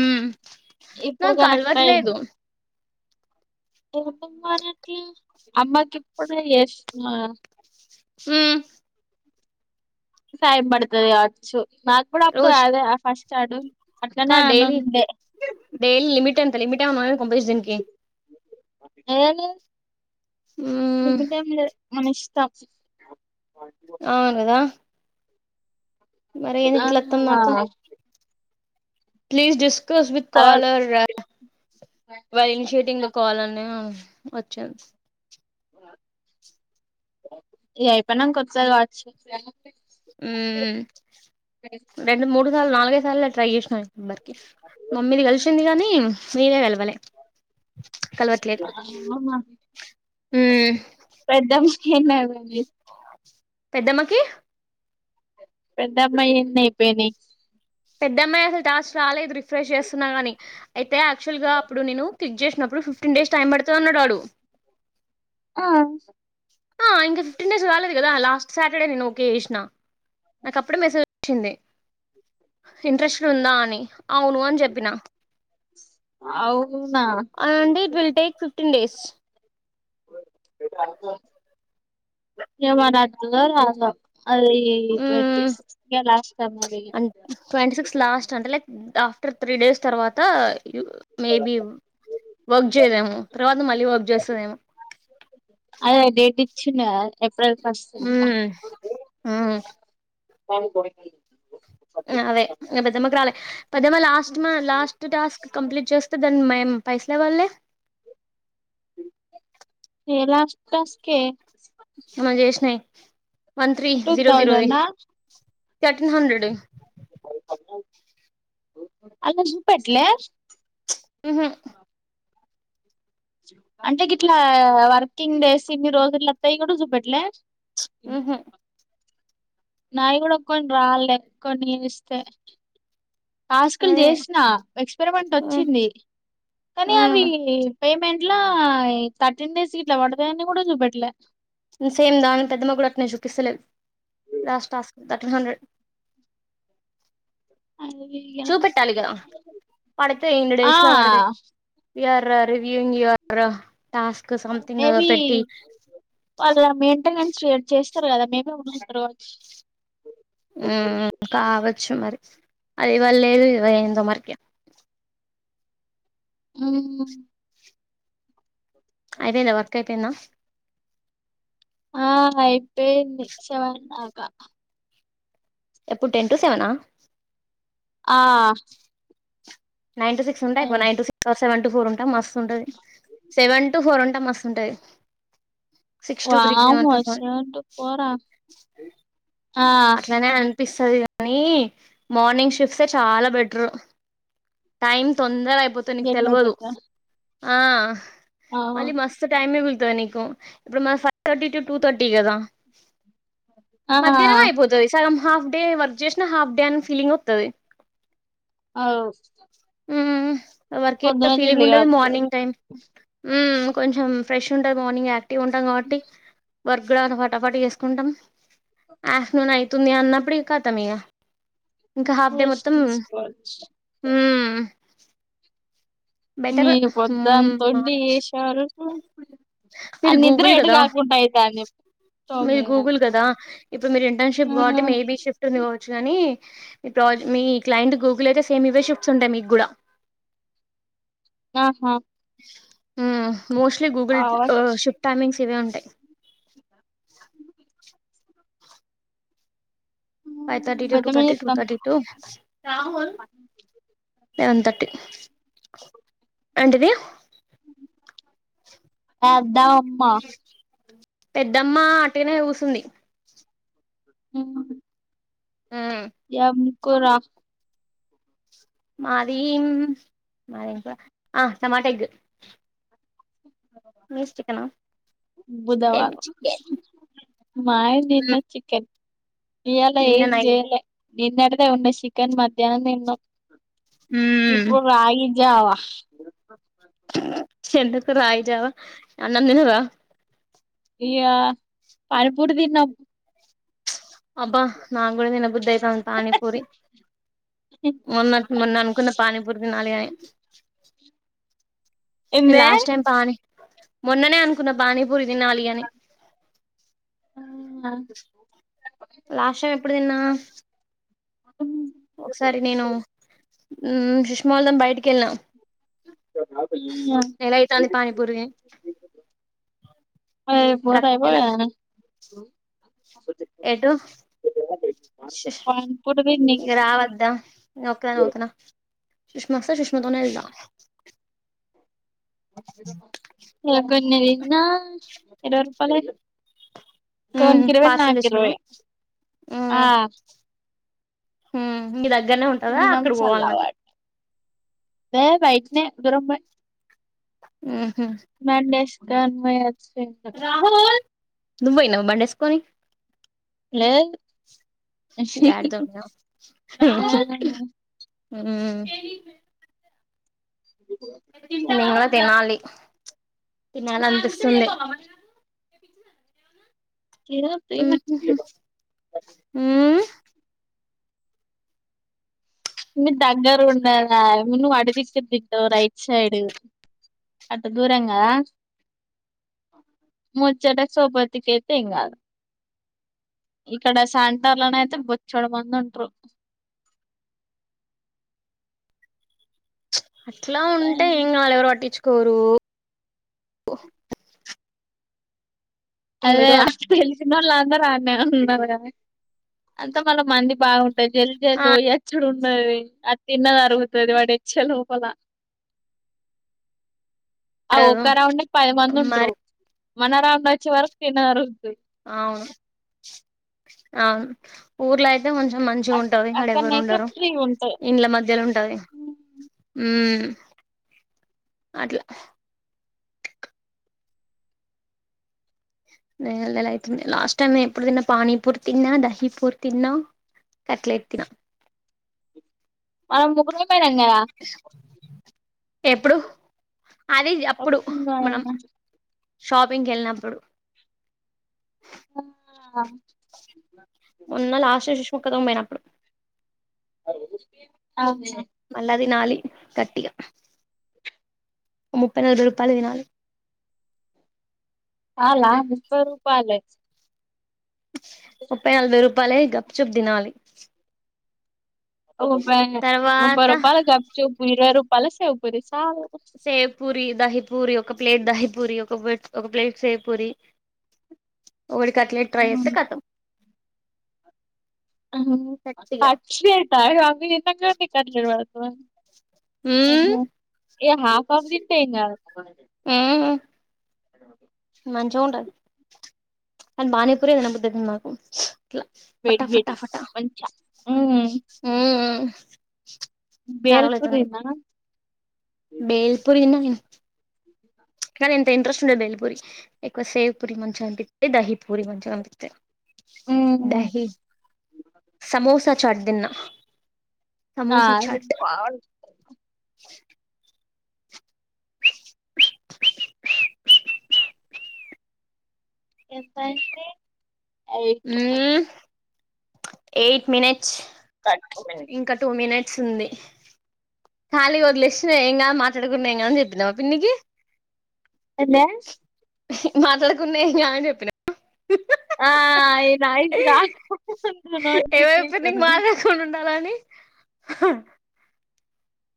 ఉ నా ఇప్పుడు కనెక్ట్ కాల్వట్లేదు ఎ మానికి అమ్మాకి ఇప్పుడు ఎస్ హ టైం పడుతుది కావచ్చు నాకు కూడా అప్పుడు రోజు అదే ఫస్ట్ ఆడు కా డెలీ డెలీ లిమిట్ అంత లిమిట్ై దీనికి ఏ ని మ్మ్ మనష మర ఎందు గ ఆ ఇట్లత్తాం నాకు ప్లీజ్ డిస్కస్ విత్్ తర్వాత కాలర్ ర వాళ్ళ ఇనిషేటింగ్ త కావాలనే వచ్చింది ఏయి ప కొ చ వా ఉ రెండు మూడు సార్లు నాలుగై సార్లు ట్రై చేస నెంబర్కి మమ్మీది కలిసింది గానీ మీవే వెలు కల్వట్దు ఎన్నా పెద్దమ్మకి పెద్దమ ఏ న పేనీ పెద్దమ్మాయి అసలు టాస్ట్ రాలేదు రిఫ్రెష్ చేస్తున్నా కానీ అయితే యాక్చువల్గా అప్పుడుేను క్లిక్ చేసిన ఇప్పుడు ఫిఫ్టీన్ డేస్ టైం పడుతా ఉన్నాడుడు ఆ ఇ ఫిటీన్డస్దు కదా లాస్ట్టడేష్ నాే వచ్చింది ఇంట్రెస్ట్ ఉందా అని అవును అని చెప్పిన అవునా అవుండి it will take fifteen days ఏవ ట్ల రాాల అది ట్వంటీ సిక్స్త్ లాస్ట్ ట అది ర్ త్రీ డేస్ తర్వాత మేబి వర్క్ చేయదేమో తర్వాత మళ్ళీ వర్క్ చేస్తుందేమో అదే డేట్ ఇచ్చిండ ఏప్రిల్ ఫస్ట్కా ఆ తను కో ఇ పెద్దమ్మకి రాలే పెద్దమ్మ లాస్ట్ మా లాస్ట్ టాస్క్ కంప్లీట్ చేస్తే దాన్ని మేం పైసలువ వా్వాలి ఎలా మ ఏష్న్నా one three two zero zero thousand ఆ ర్టీన్ హండ్రడ్ అలా జూపట్ల ఉహ అంటే గ ఇట్లా వర్కింగ్ డేస్ ఇన్ని రోజులుత్తాయి కూడా చూపెట్లే ఎ మ్హూ నాయ కూడా ఒక్కని రాలక్కన్ని ఇస్తే టాస్కులు అదే చేసినా ఎక్స్పెరిమెంట్ మ్మ్ వచ్చింది కానీ అవి ఉమ్ పేమెంట్ థర్టీన్ డేస్ గట్లా పడద అని కూడా చూపెట్లే సేమ్ పెద్దమ్మకి కూడా అట్లనే చూపిస్తలేదు లాస్ట్ టాస్క్ థర్టీన్ హండ్రెడ్ [unintelligible] చూపెట్టాలి కదా పడితే ఇన్ని ఆ డేస్ లో పడతాయి విఆర్ రివ్యూఇంగ్ విఆర్ఓ మేబి వాళ్ళ మెయింటెనెన్స్ షేర్ చేస్త ఉంటారు కదా మే బీ చూయించుతారు కావచ్చు కావచ్చు మరి అది ఇవ్వళ లేదు ఇవైయిందో మరిగా [inaudible] హామ్ అయిపోయిందా వర్క్ అయిపోయిందా ఆ అయిపోయింది సెవెన్ దాకా ఎప్పుడు టెన్ టు సెవెనా ఆ నైన్ టు సిక్స్ ఉంటాయి nine to six సెన్ to four ఉంటె మస్తు ఉంటది సెవెన్ టు ఫోర్ ఉంటే మస్తు ఉంటది సిక్స్ టు త్రీ సెవెన్ వామ్మో to four seven two four ఆ అట్లనే అనిపిస్తది గాని మార్నింగ్ షిఫ్సే చాలా బెటర్ టైం తొంద అయిపోత నీకు జర్నీ తెలవదు అయిపోద్దా ఆ మళ్ళీ అవును మస్తు టైం మిగుల్తది నీకు ఇప్పుడు మా ఫైవ్ర్ టూ టూ థర్టీ కదా ఆ మధ్యాహ్నమే అయిపోతది సగం హాఫ్ డే వర్క్ చేసిన హాఫ్ డే అని ఫీలింగ్ వత్తది ఔ వర్క్య ఫీలింగ్ ఉండది లేత్తది మార్నింగ్ టైమ్ కొంచెం ఫ్రెష్ ఉంటది మార్నింగ్ ఉంటాం కాబట్టి వర్గుడా పటాఫట్ చేసుకుంటాం ఆఫ్టర్నూన్ అవుతుంది అన్నప్పుడు ఇగ కతం ఇగ ఇంకా హాఫ్ డే రెస్ట్ మొత్తం తీసుకోవచ్చు మ్మ్ బెటర్ మీరు మ్మ్ పొద్దంతా ఉండి చేసే వరకు అ నిద్ర గూగుల్ ఎటు కదా కాకుంట అయితంది. మీది గూగుల్ గదా ఇప్పుడు మీరు ఇంటర్న్షిప్ కాబట్టి ఉమ్ మేబీ షిఫ్ట్. కానీ ప్ర మీ క్లైంట్ గూగుల్ అయితే సేమ్ ఇవే షిప్స్ ఉంటాయి మీకు కూడా. ఆహా ఊమ్ మోస్ట్లీ గూగుల్ ఓ కావచ్చు షిప్ టైమింగ్స్ ఇవే ఉంటాయి. ఫైవ్ థర్టీ టూ టూ బద్దకం థర్టీ టూ చేత్తాంది thirty two Rahul eleven thirty ఏంటిది. అదా అమ్మా. పెద్దమ్మ అట్టిగానే కూసుంది [unintelligible] మ్మ్ కూర మాది మరి ఏం కూర ఆ టమాట ఎగ్ మీది చికెనా చికెన్ బుధవారం చికెన్. మాది నిన్న చికెన్ ఇయ్యాల నిన్న ఏం నైట్ జెయలే నిన్నడిదే ఉండే చికెన్ మధ్యానం తిన్నాం. మ్మ్ ఇప్పుడు రాగి జావా. ఎందుకు రాగిజవా అన్నం తిన్నారా. ఇగ పానిపూరి తిన్నాం అబ్బా నాకూడా తినబుద్ధి అయితంది పానీపూరి. మొన్న మొన్న అనుకున్న పానీపూరి తినాలిఅని. ఎ ఎందే లాస్ట్ టైం పానీ మొన్ననే అనుకున్నా పానీపూరి. తినాలి అని లాస్ట్ టైం ఎప్పుడు తిన్నా ఉమ్ సుష్మా నేను బయటకి వెల్నా నెల అయితంది పానీపూరి తిని ఐ పోతే కరెక్ట్ నెల అయిపోయా ఎటు సస్ పానీపూరి తిని ఇగ రావద్దా నేనొక్కదాన్నే పోతన్నా సుష్మా వస్తే సుష్మా తోనే వెళ్నా నేను కొన్ని తిన్న ఇరవై రూపాయిలే సోన్ ఉమ్ ఇరవై నా పార్సల్ తెచ్చినావా ఇరవై ఆ ఉ ఉ మీ దగ్గనే ఉంటదా అక్కడ పోవాలన్నా యే బైట్నే దూరం మే ఉ హు కన్ మయత్ నువ్వు పోయినవా బండేస్కోని లేద్ డాడీతో పోయిన లేదు ఉ నేను కూడా తినాలి తినాలనిపిస్తుంది ఆ ఉ నీకు దగ్గర గుండాలా నువ్వు అడ బిస్కెట్ తింటవ్ రైట్ సైడు. అటు దూరంగా ముచ్చట సో బతికేత్తే ఏం గాద్ ఇక్కడ సంటర్ల నైతే బొచ్చాడు మనది ఉంట్రూ అట్లా ఉంటే ఏం కాదులే ఎవరు పట్టించుకోరూ అదే చిన్నోందరు అన్నే ఉన్నారు కాదే అంత మళ్ళా మంది బాగున్ అటికి యెల్లి ఆ [unintelligible] మరి అది తిన్నది అరుగుతది వాడి వచ్చే లోపలా. ఆ అడగదు ఒక్క రౌండ్కి పది మంది ఉంట్రూ మరి మన రౌండ్ వచ్చే వరకు తిన్నది అరుగుతది. అవును అవును ఊర్లోయితే అయితే కొంచెం మంచిగా ఉంటది వాడెవరు అక్కడనైతే ఉండరు ఫ్రీ ఉంటాయి ఇండ్ల మధ్యలో ఉంటది. ఉ అట్లా నె నెలా అవుతుంది లాస్ట్ టైమ్ నే ఎప్పుడు తిన్నా పానీపూరి తిన్నా దహీ పూర్ తిన్నా. కట్ లెట్ తిన్న ఆమ్ ముగ్గురు పోయిందుము కదా ఎప్పుడు అదే అప్పుడు మనం కదా షాపింగ్కి వెళ్ళినప్పుడు ఉన్నా లాస్ సెస్ ఒక్కదొమ్ పోయినప్పుడు అవుషా మళ్ళా తినాలి గట్టిగా ముప్పై నాలబై రూపాలవి తినాలి వాళ్ళ ముప్పై రూపాల్లే ముప్పై నాలభై రూపాయలే గప్ చుప్ దినాలి. ఓ ముప్పై రూపాయలు గప్ చుప్ ఇరవై రూపాయల సేవ్ పూరి. సేవ్ పూరి దహీ పూరి ఒక్ ఒక ప్లేట్ దాహి పూరి ఒక ప్లేట్ ఒక ప్లేట్ సేవ్ పూరి ఓడి కట్లెట్ ట్రై చేస్తే ఖతం గట్టిగా కట్లెట్టా అవ్వి ఎంత [unintelligible] కట్లెట్ పడతండ్ హ్మూ ఇగ హాఫ్ హాఫ్ తింటే ఏం గాదు. ట్లనో ఉంటది. కాని బాణిపురీ తిన బుద్దైతది నాకు. అట్ల వేడి ఫటా ఫటా వేడి ఫటా మంచిగా మ్మ్ ఊఊ బేల్ పురీ తిన్నావా బేల్ పురీ తిన్నా నేను ప్చ్ కానీ ఇంత ఇంట్రెస్ట్ ఉండేద్ బేల్ పూరి. ఎక్కువ సేవ్ పూరి మంచగ అన్పిత్ ది ధహీ పూరి మంచిగ అనిపిత్తది. మ్మ్ ధహీ సమోసా చాట్దిన్నా. ఆ [inaudible] ఎంతంటే ఐదు మ్మ్ చెప్పండి ఎయిట్ మినెట్స్. ఇంకా టూ మినెట్స్ ఉంది. ఖాళీ వదిలేశిన ఏం గాద్ మాట్లాడుకున్నా ఏం గాద్ అని చెప్పినవా పిన్నికీ. ఏందే మాట్లాడకున్నా ఏం గాద్ అని చెప్పినవా ఆ ఈయనా ఇపుడు రాకపోతే నన్ ఎవరు చెప్పింన్ర్ నీకు మాట్లాడకుండ వుండాలని.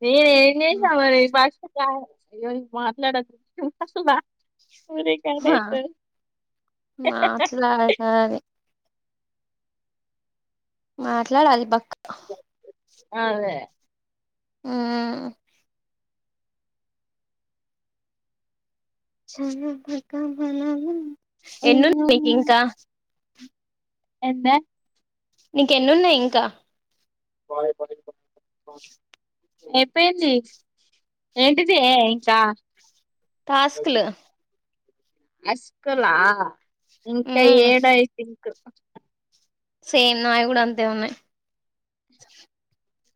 నేనేం చేశినా మరి. ఫస్ట్ [inaudible] మాట్లాడకు [inaudible] ఉన్నా పూరి ఆ [unintelligible] మాట్లాడాలి మాట్లాడాలి బక్క్ అదే ఊ చానా [unintelligible] ఎన్నునయ్ నీక్ ఇంకా ఏందే నీక్ ఎన్నున్నాయి ఇంకా [unintelligible] అయిపోయింది. ఏంటిదే ఇంకా టాస్క్లు మెస్కులా ఇంకా ఉమ్ ఏడైతే ఇంక్ సేమ్ నావి గూడా అంతే ఉన్నాయి.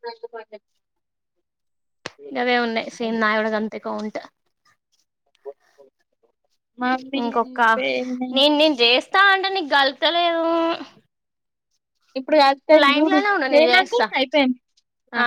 నా పాత గవే ఉన్నయ్ సేమ్ నావి గూడా గంతే కౌంట్. మమ్మీ ఇంకొక్కా అయిపోయినాయి నేన్ నేన్ చేస్తా అంటే నీకు గల్తలేదు. ఇప్పుడు కల్స్తది జూడు ఉండు చెయ్యి నేను నాకు చేస్తా అయిపోయింది ఆ